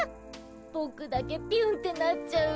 ぼくだけビュンってなっちゃうんだ。